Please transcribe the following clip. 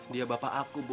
dia bapak aku bu